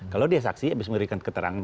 kalau dia saksi habis memberikan keterangan